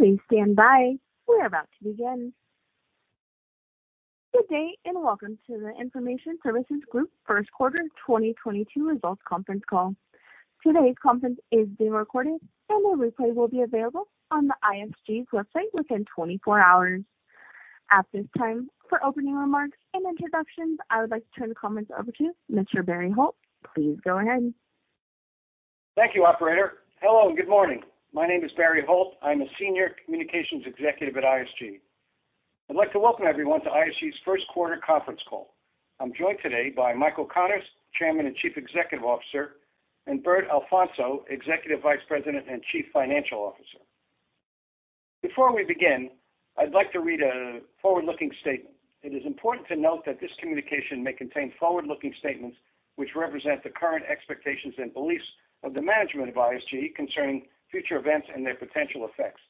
Please stand by. We are about to begin. Good day, and welcome to the Information Services Group first quarter 2022 results conference call. Today's conference is being recorded, and a replay will be available on the ISG's website within 24 hours. At this time, for opening remarks and introductions, I would like to turn the conference over to Mr. Barry Holt. Please go ahead. Thank you, operator. Hello, and good morning. My name is Barry Holt. I'm a Senior Communications Executive at ISG. I'd like to welcome everyone to ISG's first quarter conference call. I'm joined today by Michael Connors, Chairman and Chief Executive Officer, and Humberto Alfonso, Executive Vice President and Chief Financial Officer. Before we begin, I'd like to read a forward-looking statement. It is important to note that this communication may contain forward-looking statements which represent the current expectations and beliefs of the management of ISG concerning future events and their potential effects.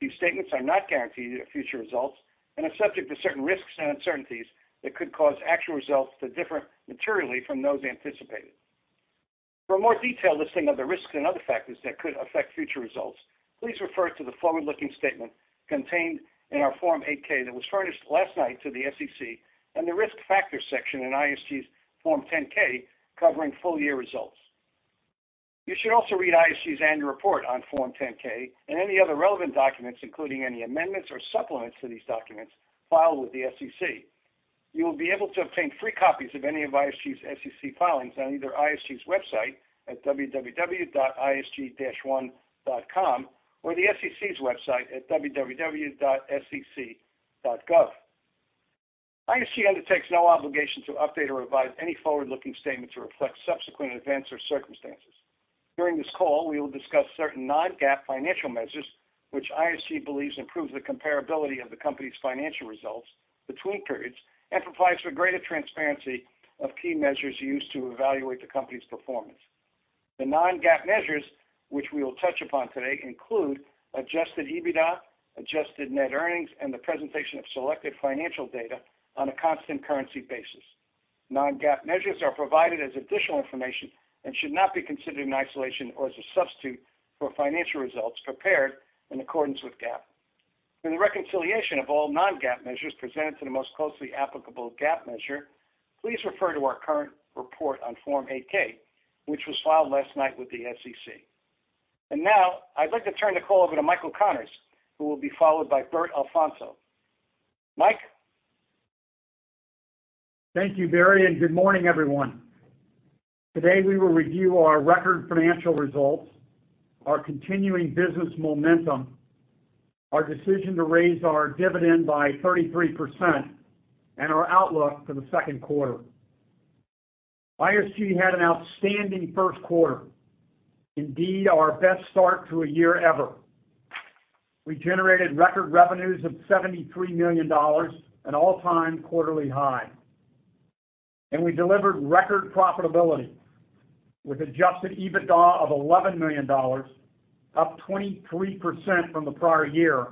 These statements are not guarantees of future results and are subject to certain risks and uncertainties that could cause actual results to differ materially from those anticipated. For a more detailed listing of the risks and other factors that could affect future results, please refer to the forward-looking statement contained in our Form 8-K that was furnished last night to the SEC and the Risk Factors section in ISG's Form 10-K covering full year results. You should also read ISG's annual report on Form 10-K and any other relevant documents, including any amendments or supplements to these documents filed with the SEC. You will be able to obtain free copies of any of ISG's SEC filings on either ISG's website at www.isg-one.com or the SEC's website at www.sec.gov. ISG undertakes no obligation to update or revise any forward-looking statements to reflect subsequent events or circumstances. During this call, we will discuss certain non-GAAP financial measures, which ISG believes improve the comparability of the company's financial results between periods and provides for greater transparency of key measures used to evaluate the company's performance. The non-GAAP measures which we will touch upon today include adjusted EBITDA, adjusted net earnings, and the presentation of selected financial data on a constant currency basis. Non-GAAP measures are provided as additional information and should not be considered in isolation or as a substitute for financial results prepared in accordance with GAAP. In the reconciliation of all non-GAAP measures presented to the most closely applicable GAAP measure, please refer to our current report on Form 8-K, which was filed last night with the SEC. Now I'd like to turn the call over to Michael Connors, who will be followed by Humberto Alfonso. Mike? Thank you, Barry, and good morning, everyone. Today, we will review our record financial results, our continuing business momentum, our decision to raise our dividend by 33%, and our outlook for the second quarter. ISG had an outstanding first quarter, indeed our best start to a year ever. We generated record revenues of $73 million, an all-time quarterly high. We delivered record profitability with adjusted EBITDA of $11 million, up 23% from the prior year,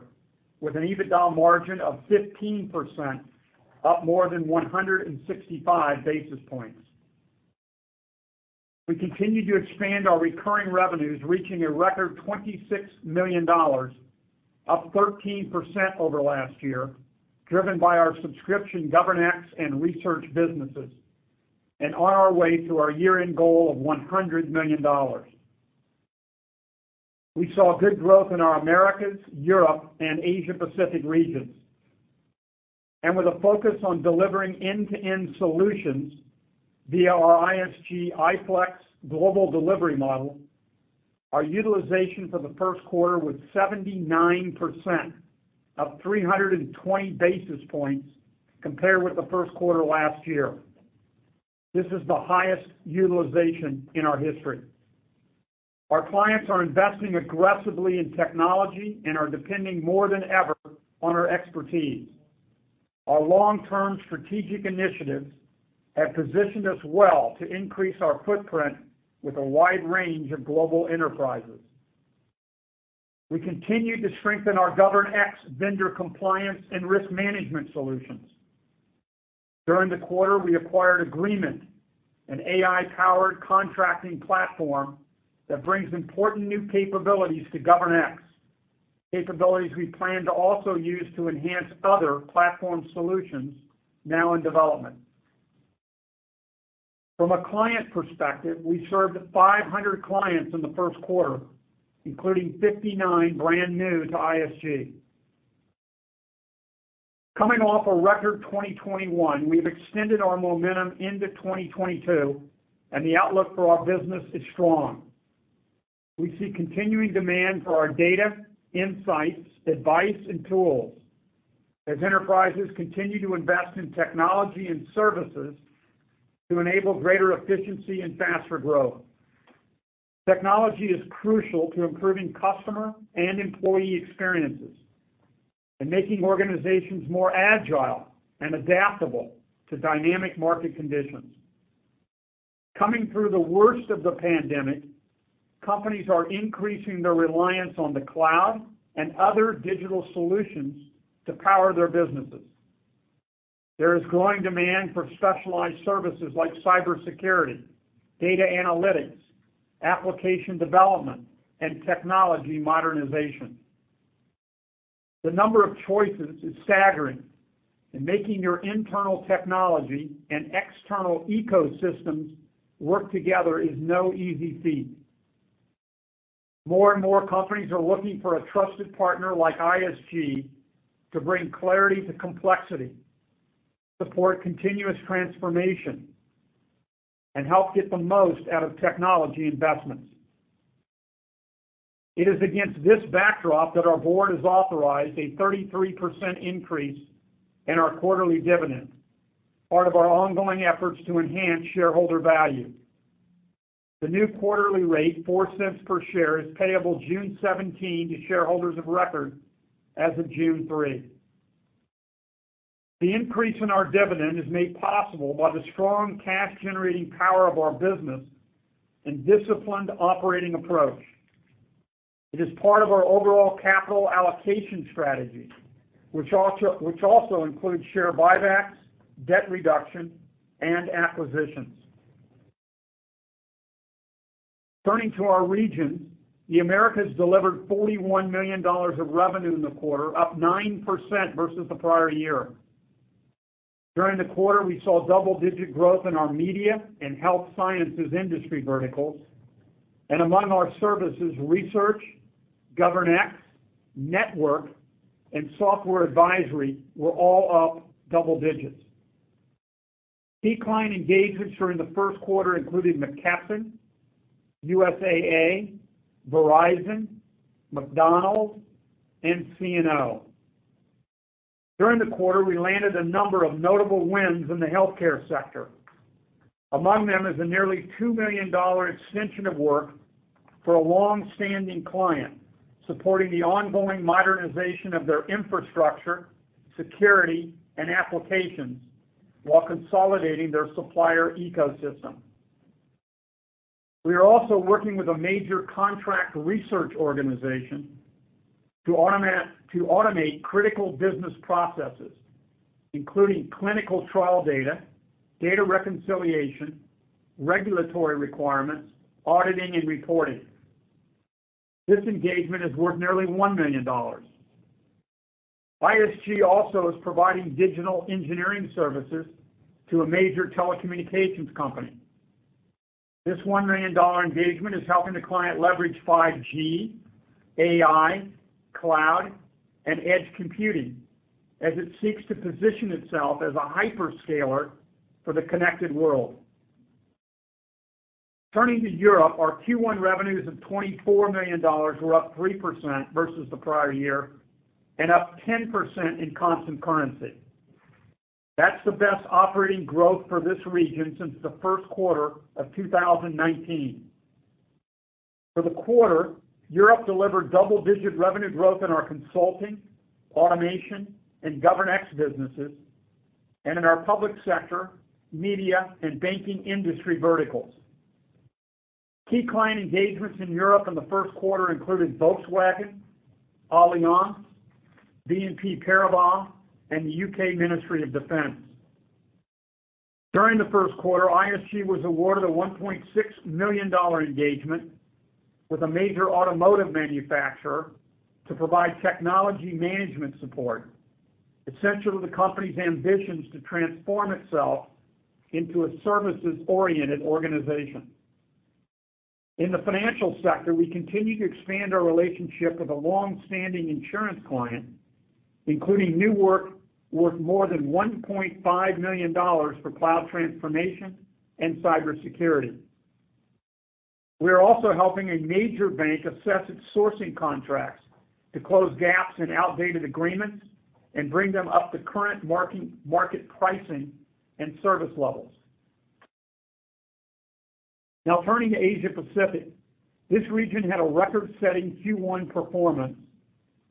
with an EBITDA margin of 15%, up more than 165 basis points. We continue to expand our recurring revenues, reaching a record $26 million, up 13% over last year, driven by our subscription GovernX and research businesses, and on our way to our year-end goal of $100 million. We saw good growth in our Americas, Europe, and Asia Pacific regions. With a focus on delivering end-to-end solutions via our ISG iFlex global delivery model, our utilization for the first quarter was 79%, up 320 basis points compared with the first quarter last year. This is the highest utilization in our history. Our clients are investing aggressively in technology and are depending more than ever on our expertise. Our long-term strategic initiatives have positioned us well to increase our footprint with a wide range of global enterprises. We continue to strengthen our GovernX vendor compliance and risk management solutions. During the quarter, we acquired Agreemint, an AI-powered contracting platform that brings important new capabilities to GovernX, capabilities we plan to also use to enhance other platform solutions now in development. From a client perspective, we served 500 clients in the first quarter, including 59 brand new to ISG. Coming off a record 2021, we've extended our momentum into 2022, and the outlook for our business is strong. We see continuing demand for our data, insights, advice, and tools as enterprises continue to invest in technology and services to enable greater efficiency and faster growth. Technology is crucial to improving customer and employee experiences and making organizations more agile and adaptable to dynamic market conditions. Coming through the worst of the pandemic, companies are increasing their reliance on the cloud and other digital solutions to power their businesses. There is growing demand for specialized services like cybersecurity, data analytics, application development, and technology modernization. The number of choices is staggering, and making your internal technology and external ecosystems work together is no easy feat. More and more companies are looking for a trusted partner like ISG to bring clarity to complexity, support continuous transformation, and help get the most out of technology investments. It is against this backdrop that our board has authorized a 33% increase in our quarterly dividend, part of our ongoing efforts to enhance shareholder value. The new quarterly rate, $0.04 per share, is payable June 17 to shareholders of record as of June 3. The increase in our dividend is made possible by the strong cash-generating power of our business and disciplined operating approach. It is part of our overall capital allocation strategy, which also includes share buybacks, debt reduction, and acquisitions. Turning to our regions, the Americas delivered $41 million of revenue in the quarter, up 9% versus the prior year. During the quarter, we saw double-digit growth in our media and health sciences industry verticals. Among our services, research, GovernX, network, and software advisory were all up double digits. Key client engagements during the first quarter included McKesson, USAA, Verizon, McDonald's, and CNO. During the quarter, we landed a number of notable wins in the healthcare sector. Among them is a nearly $2 million extension of work for a long-standing client, supporting the ongoing modernization of their infrastructure, security, and applications while consolidating their supplier ecosystem. We are also working with a major contract research organization to automate critical business processes, including clinical trial data reconciliation, regulatory requirements, auditing, and reporting. This engagement is worth nearly $1 million. ISG also is providing digital engineering services to a major telecommunications company. This $1 million engagement is helping the client leverage 5G, AI, cloud, and edge computing as it seeks to position itself as a hyperscaler for the connected world. Turning to Europe, our Q1 revenues of $24 million were up 3% versus the prior year and up 10% in constant currency. That's the best operating growth for this region since the first quarter of 2019. For the quarter, Europe delivered double-digit revenue growth in our consulting, automation, and GovernX businesses and in our public sector, media, and banking industry verticals. Key client engagements in Europe in the first quarter included Volkswagen, Allianz, BNP Paribas, and the U.K. Ministry of Defence. During the first quarter, ISG was awarded a $1.6 million engagement with a major automotive manufacturer to provide technology management support, essential to the company's ambitions to transform itself into a services-oriented organization. In the financial sector, we continue to expand our relationship with a long-standing insurance client, including new work worth more than $1.5 million for cloud transformation and cybersecurity. We are also helping a major bank assess its sourcing contracts to close gaps in outdated agreements and bring them up to current market pricing and service levels. Now turning to Asia Pacific, this region had a record-setting Q1 performance,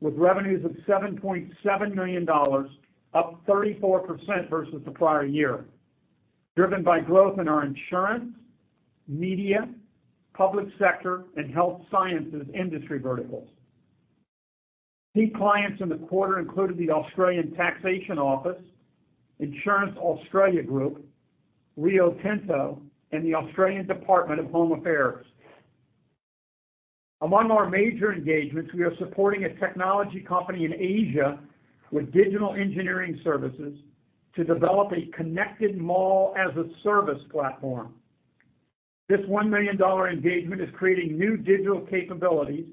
with revenues of $7.7 million, up 34% versus the prior year, driven by growth in our insurance, media, public sector, and health sciences industry verticals. Key clients in the quarter included the Australian Taxation Office, Insurance Australia Group, Rio Tinto, and the Australian Department of Home Affairs. Among our major engagements, we are supporting a technology company in Asia with digital engineering services to develop a connected mall-as-a-service platform. This $1 million engagement is creating new digital capabilities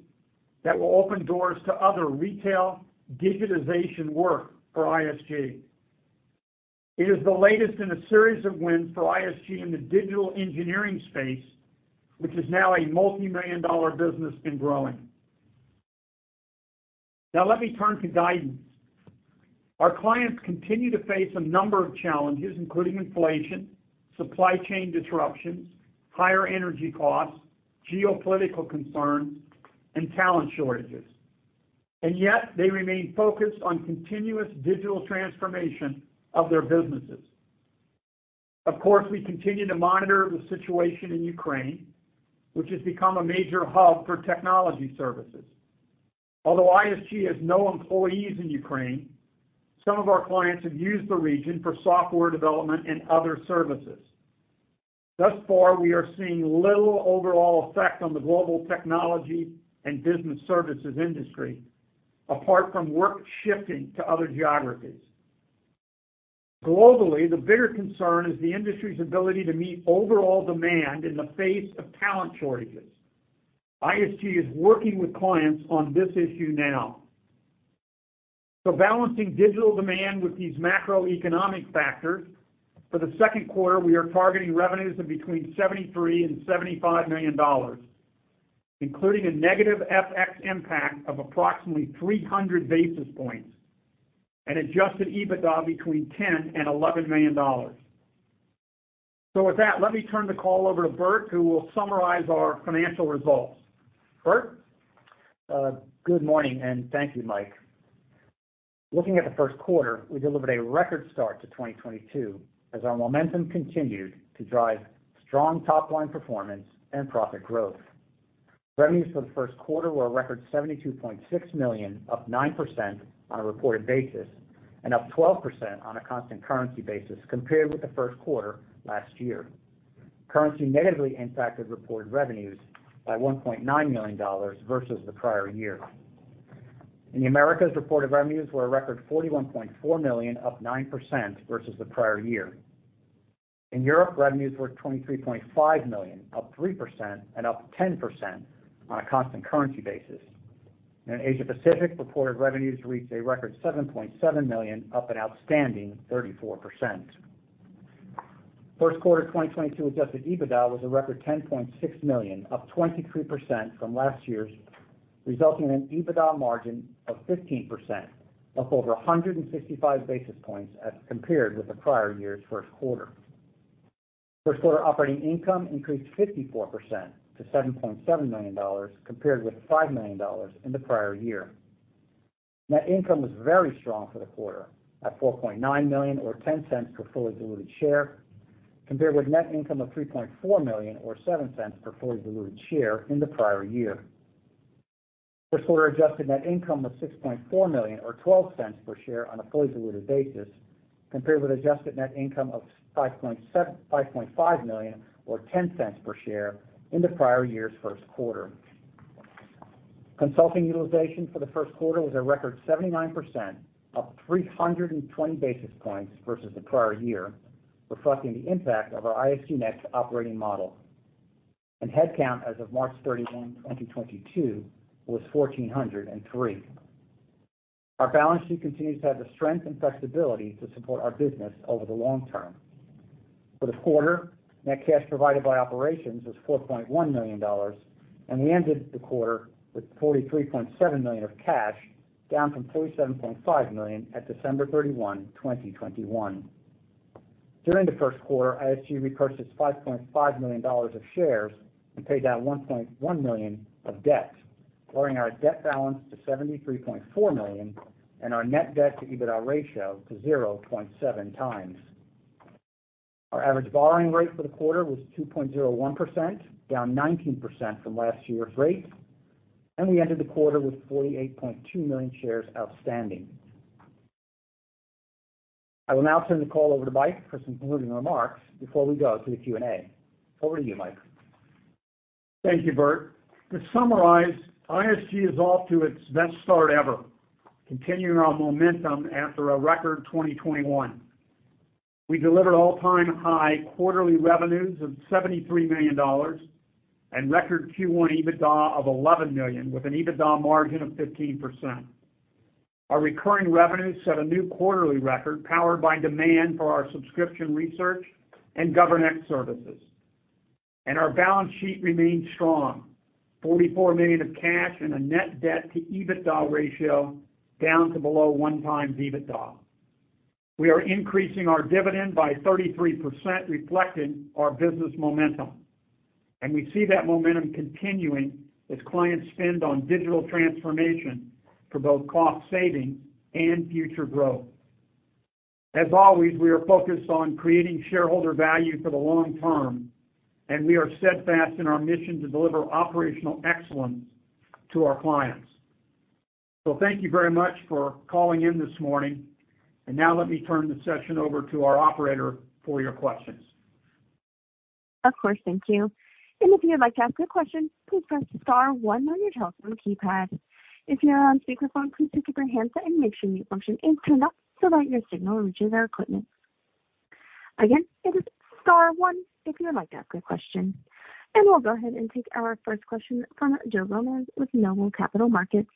that will open doors to other retail digitization work for ISG. It is the latest in a series of wins for ISG in the digital engineering space, which is now a multimillion-dollar business and growing. Now let me turn to guidance. Our clients continue to face a number of challenges, including inflation, supply chain disruptions, higher energy costs, geopolitical concerns, and talent shortages. Yet, they remain focused on continuous digital transformation of their businesses. Of course, we continue to monitor the situation in Ukraine, which has become a major hub for technology services. Although ISG has no employees in Ukraine, some of our clients have used the region for software development and other services. Thus far, we are seeing little overall effect on the global technology and business services industry, apart from work shifting to other geographies. Globally, the bigger concern is the industry's ability to meet overall demand in the face of talent shortages. ISG is working with clients on this issue now. Balancing digital demand with these macroeconomic factors, for the second quarter, we are targeting revenues of between $73 million and $75 million, including a negative FX impact of approximately 300 basis points and adjusted EBITDA between $10 million and $11 million. With that, let me turn the call over to Bert, who will summarize our financial results. Bert? Good morning, and thank you, Mike. Looking at the first quarter, we delivered a record start to 2022 as our momentum continued to drive strong top line performance and profit growth. Revenues for the first quarter were a record $72.6 million, up 9% on a reported basis, and up 12% on a constant currency basis compared with the first quarter last year. Currency negatively impacted reported revenues by $1.9 million versus the prior year. In the Americas, reported revenues were a record $41.4 million, up 9% versus the prior year. In Europe, revenues were $23.5 million, up 3% and up 10% on a constant currency basis. In Asia Pacific, reported revenues reached a record $7.7 million, up an outstanding 34%. First quarter 2022 adjusted EBITDA was a record $10.6 million, up 23% from last year's, resulting in an EBITDA margin of 15%, up over 155 basis points as compared with the prior year's first quarter. First quarter operating income increased 54% to $7.7 million, compared with $5 million in the prior year. Net income was very strong for the quarter at $4.9 million or $0.10 per fully diluted share, compared with net income of $3.4 million or $0.07 per fully diluted share in the prior year. First quarter adjusted net income was $6.4 million or $0.12 per share on a fully diluted basis, compared with adjusted net income of $5.5 million or $0.10 per share in the prior year's first quarter. Consulting utilization for the first quarter was a record 79%, up 320 basis points versus the prior year, reflecting the impact of our ISG NEXT operating model. Headcount as of March 31, 2022 was 1,403. Our balance sheet continues to have the strength and flexibility to support our business over the long term. For the quarter, net cash provided by operations was $4.1 million, and we ended the quarter with $43.7 million of cash, down from $47.5 million at December 31, 2021. During the first quarter, ISG repurchased $5.5 million of shares and paid down $1.1 million of debt, lowering our debt balance to $73.4 million and our net debt to EBITDA ratio to 0.7x. Our average borrowing rate for the quarter was 2.01%, down 19% from last year's rate, and we ended the quarter with 48.2 million shares outstanding. I will now turn the call over to Mike for some concluding remarks before we go to the Q&A. Over to you, Mike. Thank you, Bert. To summarize, ISG is off to its best start ever, continuing our momentum after a record 2021. We delivered all-time high quarterly revenues of $73 million and record Q1 EBITDA of $11 million with an EBITDA margin of 15%. Our recurring revenues set a new quarterly record powered by demand for our subscription research and GovernX services. Our balance sheet remains strong, $44 million of cash and a net debt to EBITDA ratio down to below 1x EBITDA. We are increasing our dividend by 33%, reflecting our business momentum. We see that momentum continuing as clients spend on digital transformation for both cost saving and future growth. As always, we are focused on creating shareholder value for the long term, and we are steadfast in our mission to deliver operational excellence to our clients. Thank you very much for calling in this morning. Now let me turn the session over to our operator for your questions. Of course, thank you. If you would like to ask a question, please press star one on your telephone keypad. If you're on speakerphone, please pick up your handset and make sure mute function is turned off so that your signal reaches our equipment. Again, it is star one if you would like to ask a question. We'll go ahead and take our first question from Joe Gomes with Noble Capital Markets.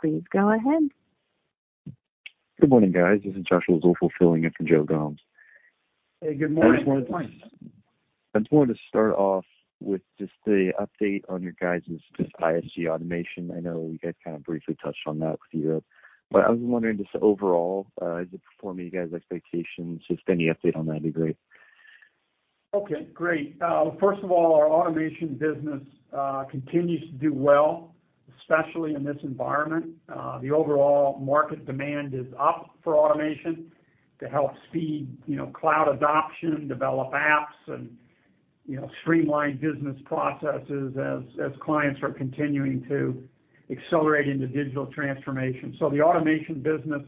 Please go ahead. Good morning, guys. This is Joshua Zoepfl filling in for Joe Gomes. Hey, good morning. Good morning. I just wanted to start off with just the update on your guys' ISG automation. I know you guys kind of briefly touched on that with Europe, but I was wondering just overall, is it performing to you guys' expectations? Just any update on that would be great. Okay, great. First of all, our automation business continues to do well. Especially in this environment, the overall market demand is up for automation to help speed, you know, cloud adoption, develop apps and, you know, streamline business processes as clients are continuing to accelerate into digital transformation. The automation business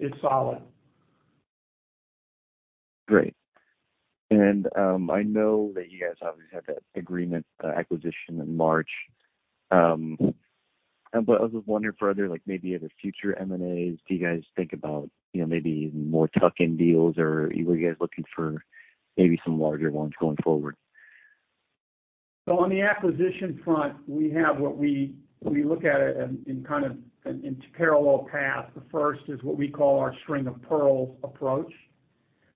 is solid. Great. I know that you guys obviously had that Agreemint acquisition in March. I was just wondering for other, like maybe other future M&As, do you guys think about, you know, maybe more tuck-in deals? Were you guys looking for maybe some larger ones going forward? On the acquisition front, we have what we look at it in kind of parallel path. The first is what we call our string of pearls approach,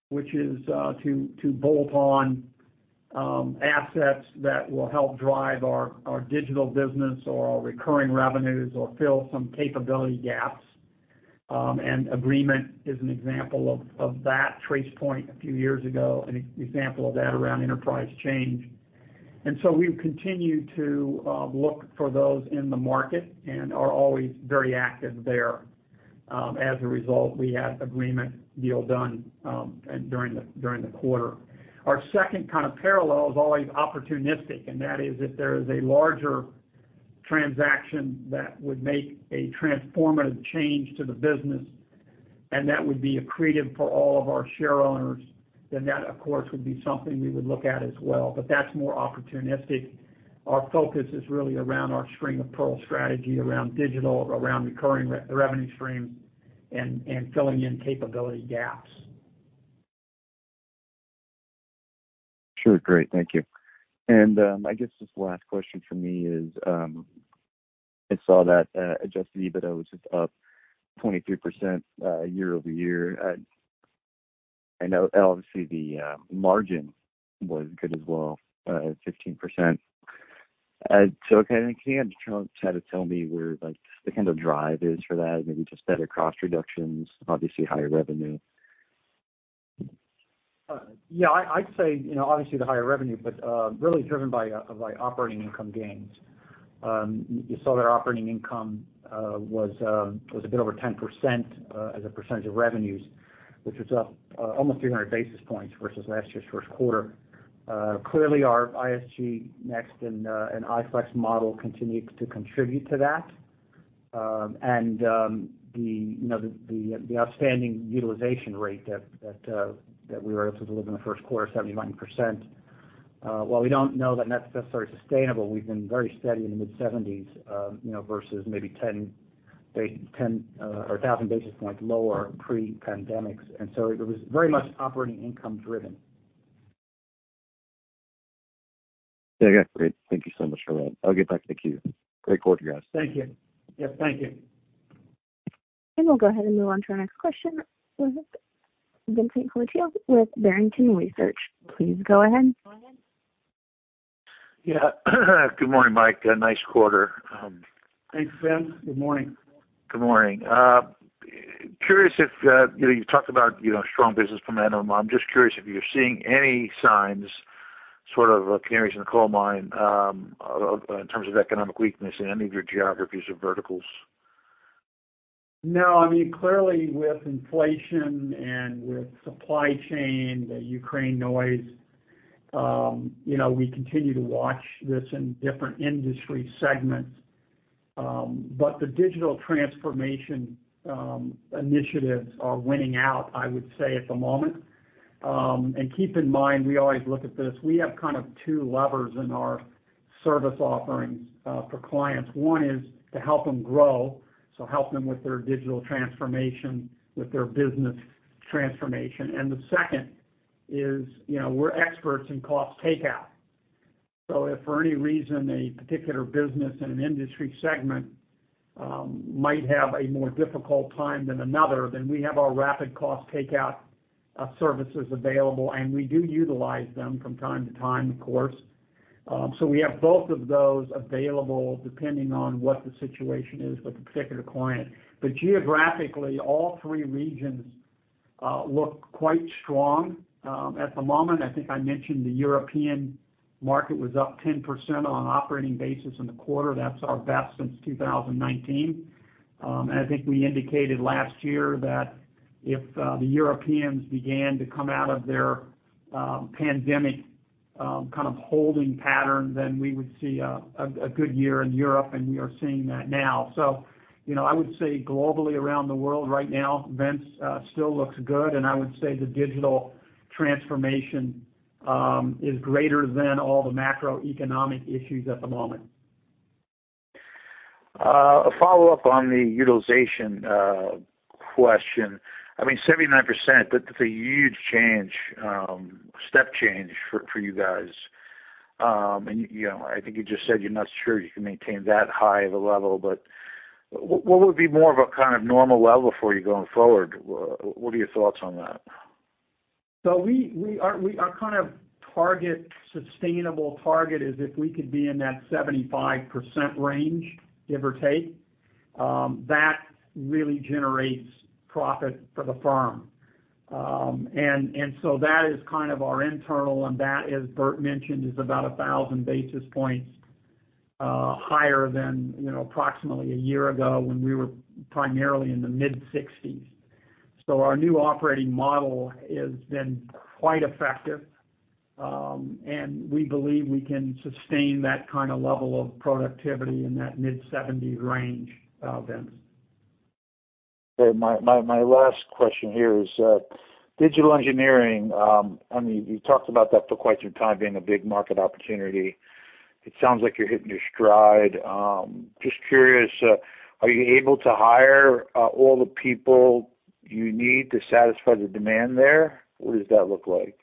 which is to bolt on assets that will help drive our digital business or our recurring revenues or fill some capability gaps. Agreemint is an example of that. TracePoint a few years ago, an example of that around enterprise change. We continue to look for those in the market and are always very active there. As a result, we had Agreemint deal done and during the quarter. Our second kind of parallel is always opportunistic, and that is if there is a larger transaction that would make a transformative change to the business, and that would be accretive for all of our share owners, then that, of course, would be something we would look at as well. But that's more opportunistic. Our focus is really around our string of pearl strategy, around digital, around recurring revenue streams and filling in capability gaps. Sure. Great. Thank you. I guess this last question from me is, I saw that adjusted EBITDA was up 23%, year-over-year. I know obviously the margin was good as well, at 15%. Can you try to tell me where like the kind of drive is for that? Maybe just better cost reductions, obviously higher revenue. I'd say, you know, obviously the higher revenue, but really driven by operating income gains. You saw that operating income was a bit over 10% as a percentage of revenues, which was up almost 300 basis points versus last year's first quarter. Clearly our ISG NEXT and iFlex model continued to contribute to that. You know, the outstanding utilization rate that we were able to deliver in the first quarter, 79%, while we don't know that that's necessarily sustainable, we've been very steady in the mid-70s, you know, versus maybe 10 or 1,000 basis points lower pre-pandemic. It was very much operating income driven. Yeah. Great. Thank you so much for that. I'll get back to the queue. Great quarter, guys. Thank you. Yes, thank you. We'll go ahead and move on to our next question with Vincent Colicchio with Barrington Research. Please go ahead. Yeah. Good morning, Mike. Nice quarter. Thanks, Vince. Good morning. Good morning. Curious if, you know, you talked about, you know, strong business momentum. I'm just curious if you're seeing any signs, sort of, canaries in the coal mine, in terms of economic weakness in any of your geographies or verticals? No, I mean, clearly with inflation and with supply chain, the Ukraine noise, you know, we continue to watch this in different industry segments. The digital transformation initiatives are winning out, I would say, at the moment. Keep in mind, we always look at this. We have kind of two levers in our service offerings, for clients. One is to help them grow, so help them with their digital transformation, with their business transformation. The second is, you know, we're experts in cost takeout. So if for any reason a particular business in an industry segment might have a more difficult time than another, then we have our rapid cost takeout services available, and we do utilize them from time to time, of course. We have both of those available depending on what the situation is with a particular client. Geographically, all three regions look quite strong at the moment. I think I mentioned the European market was up 10% on operating basis in the quarter. That's our best since 2019. I think we indicated last year that if the Europeans began to come out of their pandemic kind of holding pattern, then we would see a good year in Europe, and we are seeing that now. You know, I would say globally around the world right now, Vince, still looks good. I would say the digital transformation is greater than all the macroeconomic issues at the moment. A follow-up on the utilization question. I mean, 79%, that's a huge change, step change for you guys. You know, I think you just said you're not sure you can maintain that high of a level. What would be more of a kind of normal level for you going forward? What are your thoughts on that? Our kind of target, sustainable target is if we could be in that 75% range, give or take, that really generates profit for the firm. That is kind of our internal, and that, as Bert mentioned, is about 1,000 basis points higher than approximately a year ago when we were primarily in the mid-60s. Our new operating model has been quite effective, and we believe we can sustain that kind of level of productivity in that mid-70s range, Vincent. Okay. My last question here is digital engineering. I mean, you talked about that for quite some time being a big market opportunity. It sounds like you're hitting your stride. Just curious, are you able to hire all the people you need to satisfy the demand there? What does that look like?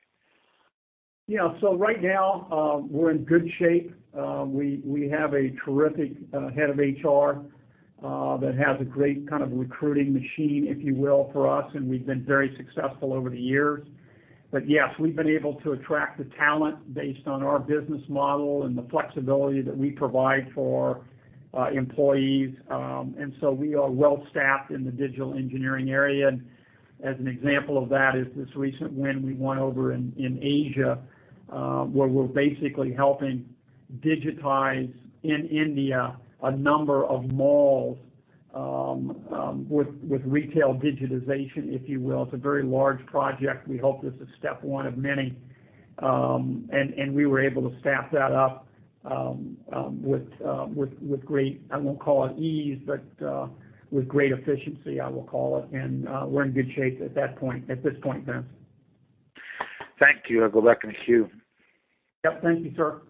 Yeah. Right now, we're in good shape. We have a terrific head of HR that has a great kind of recruiting machine, if you will, for us, and we've been very successful over the years. Yes, we've been able to attract the talent based on our business model and the flexibility that we provide for employees. We are well-staffed in the digital engineering area. As an example of that is this recent win we won over in Asia, where we're basically helping digitize in India a number of malls with retail digitization, if you will. It's a very large project. We hope this is step one of many. We were able to staff that up with great efficiency, I will call it. We're in good shape at this point, Vince. Thank you. I'll go back in the queue. Yep. Thank you, sir.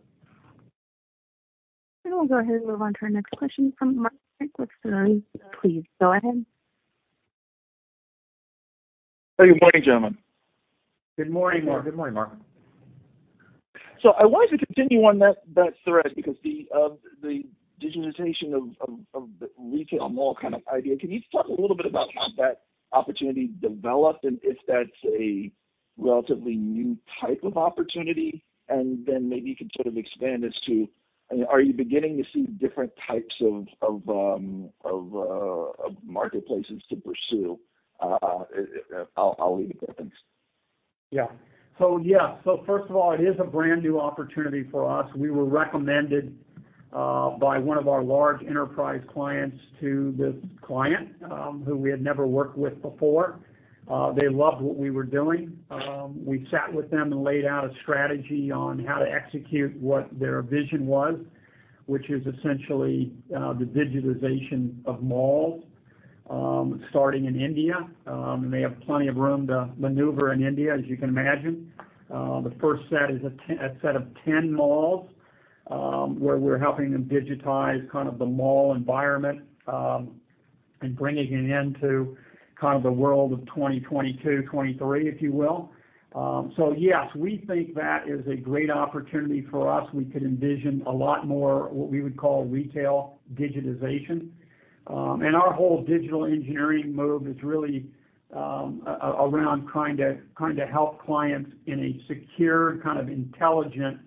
We'll go ahead and move on to our next question from Marc Riddick with Sidoti. Please go ahead. Good morning, gentlemen. Good morning, Marc. Good morning, Marc. I wanted to continue on that thread because the digitization of the retail mall kind of idea, can you talk a little bit about how that opportunity developed and if that's a relatively new type of opportunity? Then maybe you can sort of expand as to are you beginning to see different types of marketplaces to pursue? I'll leave it there. Thanks. First of all, it is a brand new opportunity for us. We were recommended by one of our large enterprise clients to this client, who we had never worked with before. They loved what we were doing. We sat with them and laid out a strategy on how to execute what their vision was, which is essentially the digitization of malls starting in India. They have plenty of room to maneuver in India, as you can imagine. The first set is a set of 10 malls, where we're helping them digitize kind of the mall environment and bringing it into kind of the world of 2022, 2023, if you will. Yes, we think that is a great opportunity for us. We could envision a lot more what we would call retail digitization. Our whole digital engineering move is really around trying to help clients in a secure, kind of intelligent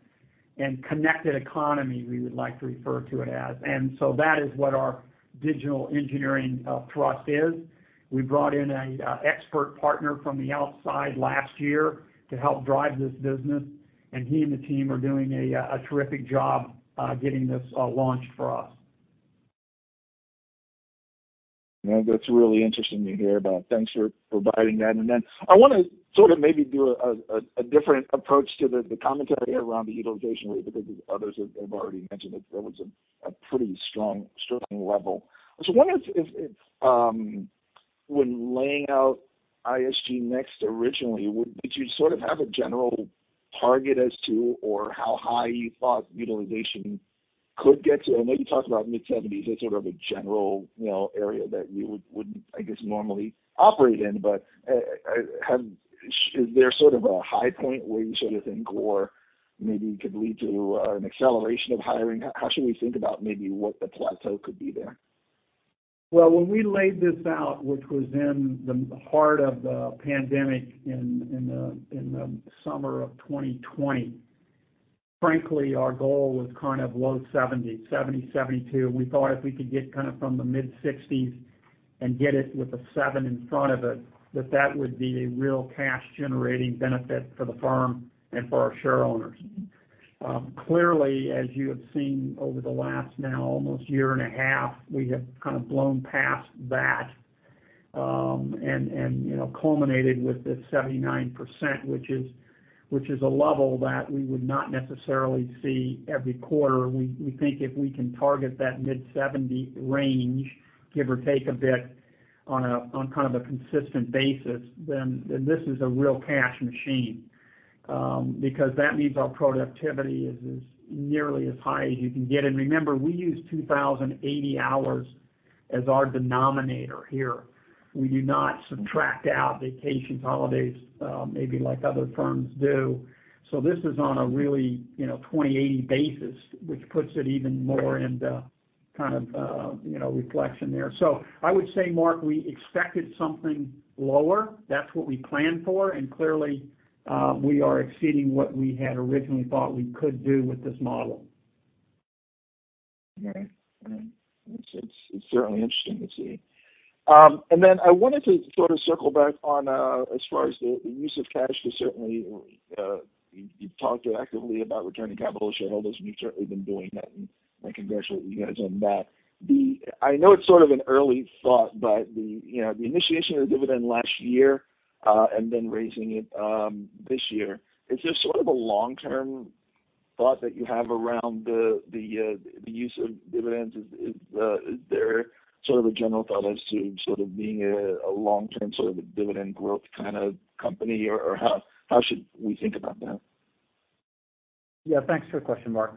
and connected economy we would like to refer to it as. That is what our digital engineering thrust is. We brought in a expert partner from the outside last year to help drive this business, and he and the team are doing a terrific job getting this launched for us. Yeah, that's really interesting to hear about. Thanks for providing that. Then I wanna sort of maybe do a different approach to the commentary around the utilization rate because others have already mentioned it. That was a pretty strong starting level. I wonder if, when laying out ISG NEXT originally, did you sort of have a general target as to or how high you thought utilization could get to? I know you talked about mid-seventies as sort of a general, you know, area that you would, I guess, normally operate in. Is there sort of a high point where you sort of think or maybe could lead to an acceleration of hiring? How should we think about maybe what the plateau could be there? Well, when we laid this out, which was in the heart of the pandemic in the summer of 2020, frankly, our goal was kind of low 70s, 72. We thought if we could get kind of from the mid-60s and get it with a 7 in front of it, that would be a real cash-generating benefit for the firm and for our shareholders. Clearly, as you have seen over the last now almost year and a half, we have kind of blown past that, and you know, culminated with this 79%, which is a level that we would not necessarily see every quarter. We think if we can target that mid-70 range, give or take a bit on kind of a consistent basis, then this is a real cash machine, because that means our productivity is nearly as high as you can get. Remember, we use 2,080 hours as our denominator here. We do not subtract out vacations, holidays, maybe like other firms do. This is on a really, you know, 2,080 basis, which puts it even more into kind of, you know, reflection there. I would say, Marc, we expected something lower. That's what we planned for, and clearly, we are exceeding what we had originally thought we could do with this model. Right. It's certainly interesting to see. And then I wanted to sort of circle back on, as far as the use of cash to certainly, you've talked actively about returning capital to shareholders, and you've certainly been doing that, and I congratulate you guys on that. I know it's sort of an early thought, but you know, the initiation of dividend last year, and then raising it this year, is there sort of a long-term thought that you have around the use of dividends? Is there sort of a general thought as to sort of being a long-term sort of a dividend growth kind of company, or how should we think about that? Yeah. Thanks for the question, Marc.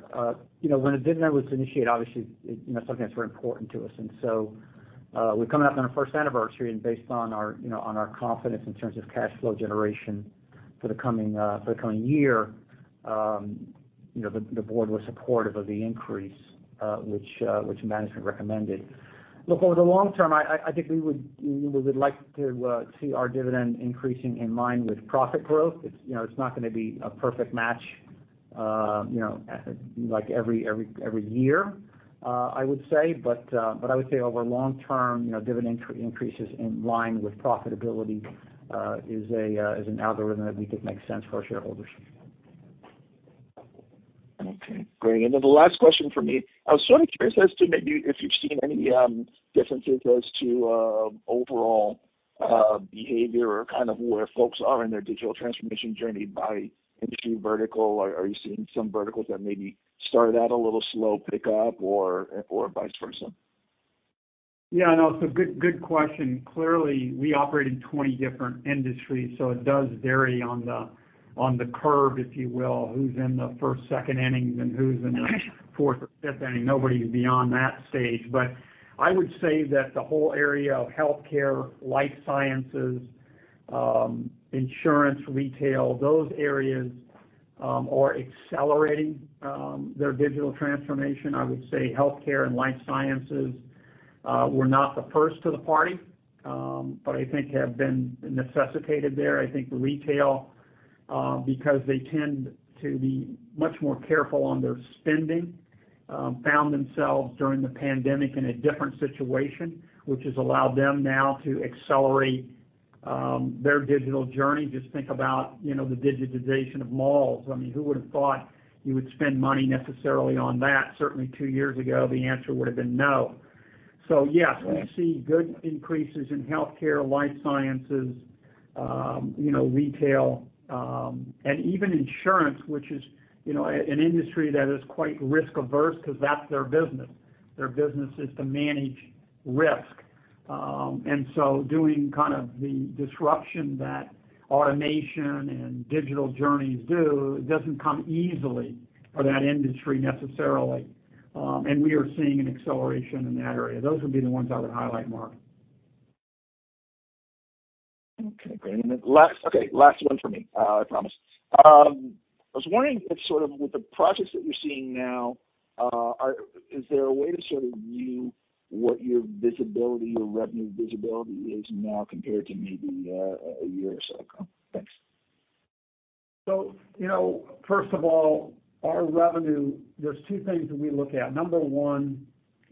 You know, when a dividend was initiated, obviously it, you know, something that's very important to us. We're coming up on our first anniversary, and based on our, you know, on our confidence in terms of cash flow generation for the coming year, you know, the board was supportive of the increase, which management recommended. Look, over the long term, I think we would like to see our dividend increasing in line with profit growth. It's, you know, it's not gonna be a perfect match, you know, like every year, I would say. I would say over long term, you know, dividend increases in line with profitability is an algorithm that we think makes sense for our shareholders. Okay. Great. The last question from me. I was sort of curious as to maybe if you've seen any differences as to overall behavior or kind of where folks are in their digital transformation journey by industry vertical. Are you seeing some verticals that maybe started out a little slow pick up or vice versa? Yeah, no, it's a good question. Clearly, we operate in 20 different industries, so it does vary on the curve, if you will, who's in the first, second innings and who's in the fourth or fifth inning. Nobody's beyond that stage. I would say that the whole area of healthcare, life sciences, insurance, retail, those areas are accelerating their digital transformation. I would say healthcare and life sciences were not the first to the party, but I think have been necessitated there. I think retail, because they tend to be much more careful on their spending, found themselves during the pandemic in a different situation, which has allowed them now to accelerate their digital journey. Just think about, you know, the digitization of malls. I mean, who would've thought you would spend money necessarily on that? Certainly two years ago, the answer would've been no. Yes, we see good increases in healthcare, life sciences, you know, retail, and even insurance, which is, you know, an industry that is quite risk averse 'cause that's their business. Their business is to manage risk. Doing kind of the disruption that automation and digital journeys do doesn't come easily for that industry necessarily. We are seeing an acceleration in that area. Those would be the ones I would highlight, Mark. Okay, great. Last one for me, I promise. I was wondering if sort of with the projects that you're seeing now, is there a way to sort of view what your visibility or revenue visibility is now compared to maybe, a year or so ago? Thanks. You know, first of all, our revenue, there's 2 things that we look at. Number one,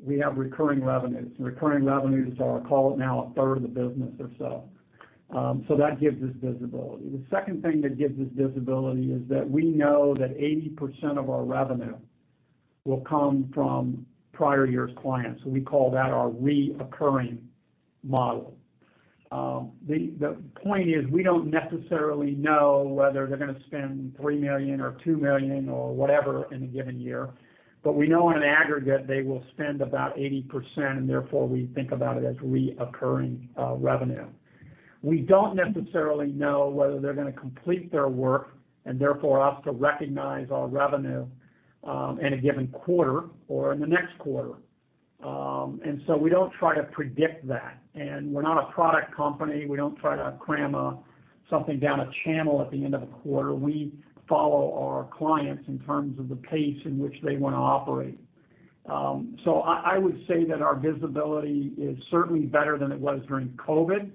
we have recurring revenues. Recurring revenues are, call it now, a third of the business or so. That gives us visibility. The second thing that gives us visibility is that we know that 80% of our revenue will come from prior years' clients. We call that our recurring model. The point is we don't necessarily know whether they're gonna spend $3 million or $2 million or whatever in a given year, but we know in an aggregate they will spend about 80%, and therefore we think about it as recurring revenue. We don't necessarily know whether they're gonna complete their work, and therefore us to recognize our revenue in a given quarter or in the next quarter. We don't try to predict that. We're not a product company. We don't try to cram something down a channel at the end of a quarter. We follow our clients in terms of the pace in which they wanna operate. I would say that our visibility is certainly better than it was during COVID.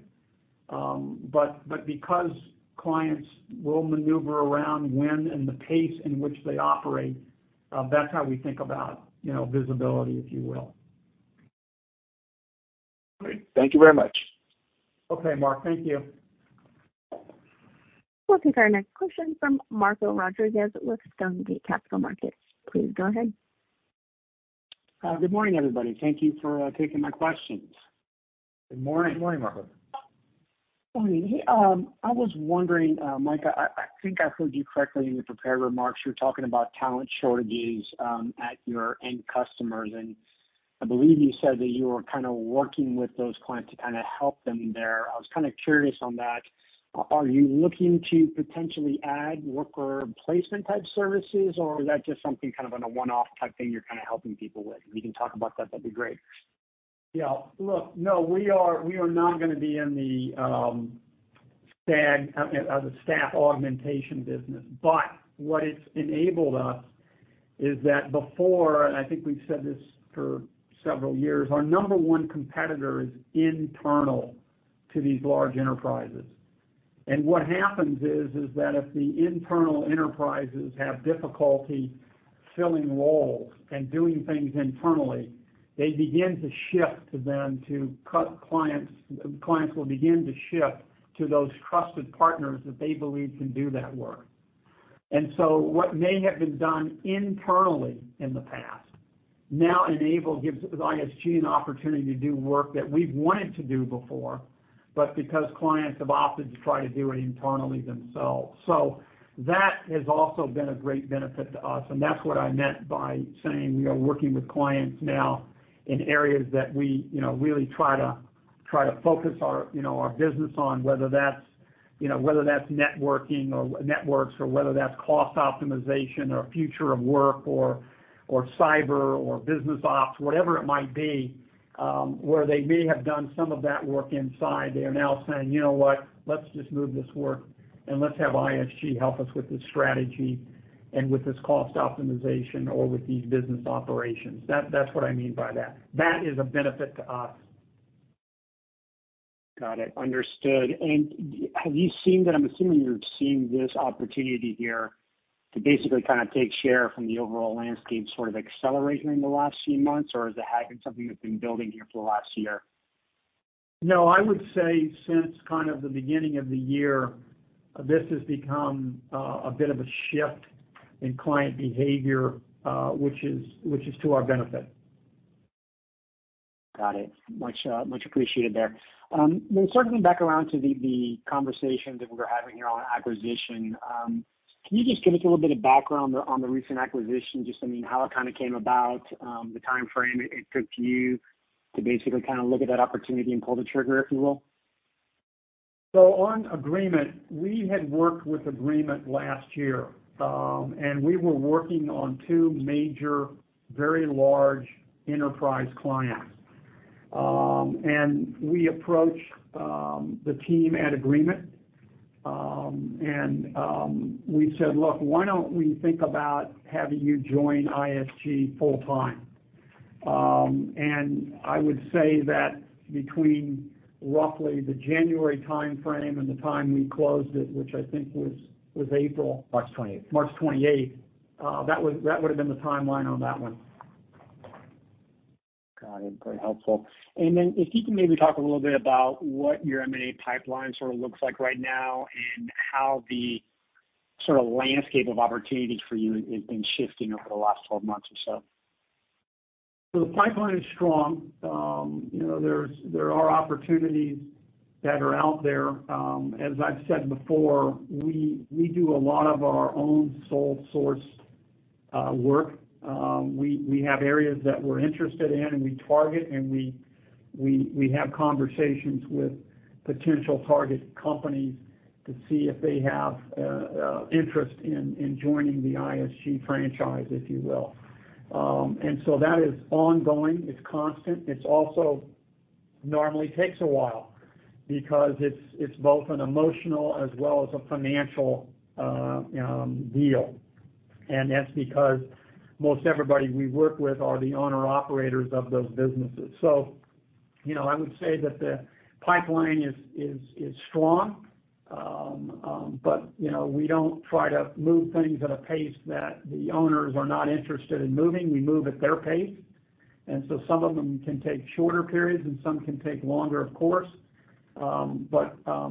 Because clients will maneuver around when and the pace in which they operate, that's how we think about, you know, visibility, if you will. Great. Thank you very much. Okay, Marc. Thank you. We'll take our next question from Marco Rodriguez with Stonegate Capital Markets. Please go ahead. Good morning, everybody. Thank you for taking my questions. Good morning. Good morning, Marco. Morning. Hey, I was wondering, Mike, I think I heard you correctly in your prepared remarks. You're talking about talent shortages at your end customers, and I believe you said that you were kind of working with those clients to kind of help them there. I was kind of curious on that. Are you looking to potentially add worker placement type services, or is that just something kind of on a one-off type thing you're kind of helping people with? If you can talk about that'd be great. Yeah. Look, no, we are not gonna be in the staff augmentation business. What it's enabled us is that before, and I think we've said this for several years, our number one competitor is internal to these large enterprises. What happens is that if the internal enterprises have difficulty filling roles and doing things internally, they begin to shift to external clients. Clients will begin to shift to those trusted partners that they believe can do that work. What may have been done internally in the past now gives ISG an opportunity to do work that we've wanted to do before, but because clients have opted to try to do it internally themselves. That has also been a great benefit to us, and that's what I meant by saying we are working with clients now in areas that we, you know, really try to focus our, you know, our business on, whether that's, you know, whether that's networking or networks or whether that's cost optimization or future of work or cyber or business ops, whatever it might be, where they may have done some of that work inside. They are now saying, "You know what? Let's just move this work, and let's have ISG help us with this strategy and with this cost optimization or with these business operations." That's what I mean by that. That is a benefit to us. Got it. Understood. Have you seen that I'm assuming you're seeing this opportunity here to basically kind of take share from the overall landscape sort of accelerating in the last few months, or is it something that's been building here for the last year? No, I would say since kind of the beginning of the year, this has become a bit of a shift in client behavior, which is to our benefit. Got it. Much appreciated there. Circling back around to the conversation that we're having here on acquisition, can you just give us a little bit of background on the recent acquisition, just I mean, how it kind of came about, the timeframe it took you to basically kind of look at that opportunity and pull the trigger, if you will? On Agreemint, we had worked with Agreemint last year, and we were working on two major, very large enterprise clients. We approached the team at Agreemint, and we said, "Look, why don't we think about having you join ISG full time?" I would say that between roughly the January timeframe and the time we closed it, which I think was April- March 28th. March twenty-eighth, that would've been the timeline on that one. Got it. Very helpful. If you can maybe talk a little bit about what your M&A pipeline sort of looks like right now and how the sort of landscape of opportunities for you has been shifting over the last 12 months or so? The pipeline is strong. You know, there are opportunities that are out there. As I've said before, we do a lot of our own sole source work. We have areas that we're interested in, and we target, and we have conversations with potential target companies to see if they have interest in joining the ISG franchise, if you will. That is ongoing. It's constant. It also normally takes a while because it's both an emotional as well as a financial deal. That's because most everybody we work with are the owner-operators of those businesses. You know, I would say that the pipeline is strong. You know, we don't try to move things at a pace that the owners are not interested in moving. We move at their pace. Some of them can take shorter periods, and some can take longer, of course.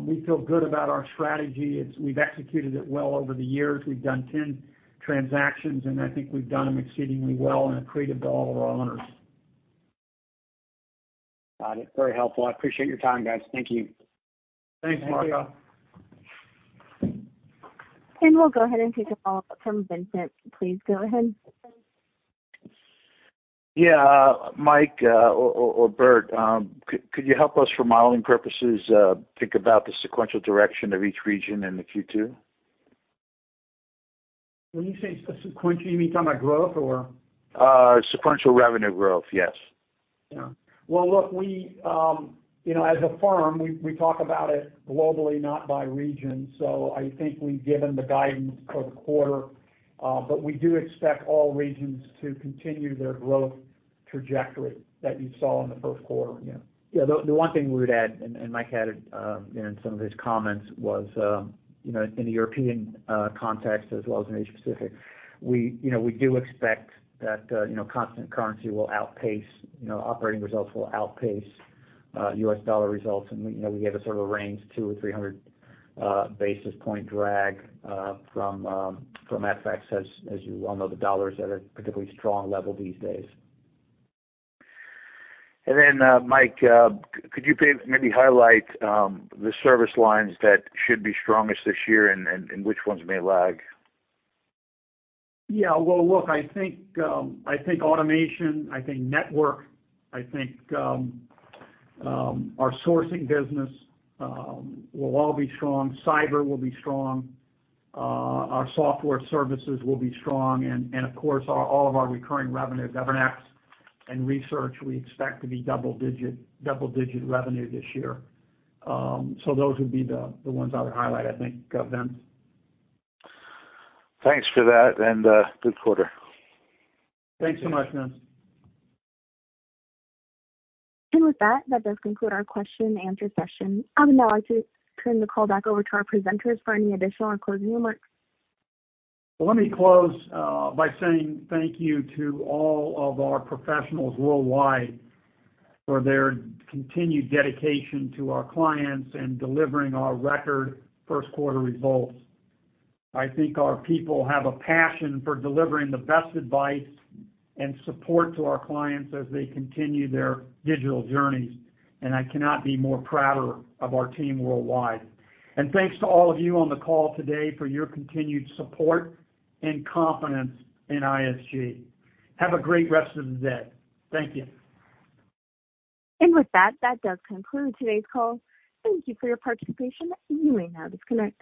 We feel good about our strategy. We've executed it well over the years. We've done 10 transactions, and I think we've done them exceedingly well and accretive to all of our owners. Got it. Very helpful. I appreciate your time, guys. Thank you. Thanks, Marco. Thank you. We'll go ahead and take a follow-up from Vincent. Please go ahead. Yeah, Mike, or Bert, could you help us for modeling purposes think about the sequential direction of each region in the Q2? When you say sequential, you mean talking about growth or? Sequential revenue growth, yes. Yeah. Well, look, we, you know, as a firm, we talk about it globally, not by region. I think we've given the guidance for the quarter, but we do expect all regions to continue their growth trajectory that you saw in the first quarter. Yeah. Yeah. The one thing we would add, and Mike had it, you know, in some of his comments, was, you know, in the European context, as well as in Asia Pacific, we, you know, we do expect that, you know, constant currency will outpace, you know, operating results will outpace, U.S. dollar results. We, you know, we gave a sort of a range, 200-300 basis point drag, from FX. As you well know, the dollar is at a particularly strong level these days. Michael, could you maybe highlight the service lines that should be strongest this year and which ones may lag? Yeah. Well, look, I think automation, network, our sourcing business will all be strong. Cyber will be strong. Our software services will be strong. Of course, all of our recurring revenue, GovernX and research we expect to be double-digit revenue this year. So those would be the ones I would highlight, I think, Vince. Thanks for that, and good quarter. Thanks so much, Vince. With that does conclude our question and answer session. I would now like to turn the call back over to our presenters for any additional or closing remarks. Let me close by saying thank you to all of our professionals worldwide for their continued dedication to our clients and delivering our record first quarter results. I think our people have a passion for delivering the best advice and support to our clients as they continue their digital journeys, and I cannot be more prouder of our team worldwide. Thanks to all of you on the call today for your continued support and confidence in ISG. Have a great rest of the day. Thank you. With that does conclude today's call. Thank you for your participation. You may now disconnect.